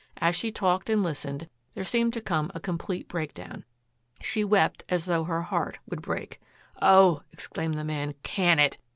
As she talked and listened there seemed to come a complete breakdown. She wept as though her heart would break. "Oh," exclaimed the man, "can it!